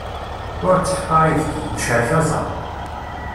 Ur sseḥqar ibki, necrek aẓar.